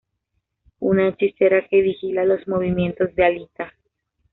Una hechicera que vigila los movimientos de Alita.